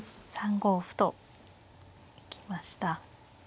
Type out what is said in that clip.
３五歩と行きました。